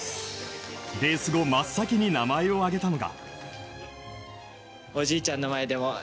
レース後真っ先に名前を挙げたのが。